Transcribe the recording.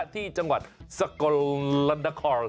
ที่จังหวัดสโกลนาคอล